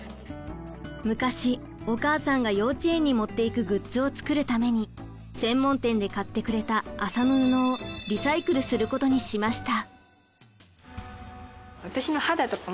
昔お母さんが幼稚園に持っていくグッズを作るために専門店で買ってくれた麻の布をリサイクルすることにしました。